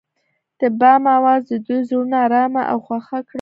د بام اواز د دوی زړونه ارامه او خوښ کړل.